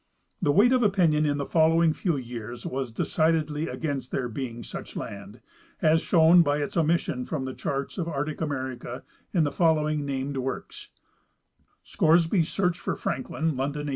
The weight of opinion in the following few years was decidedly agaiiist there being such land, as shown by its omission from the charts of arctic America in the following named works : Scoresby's Search for Franklin, London, 1851.